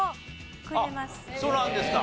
そうなんですか。